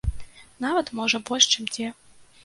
Нават, можа, больш, чым дзе.